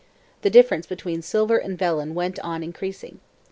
The difference between silver and vellon went on increasing.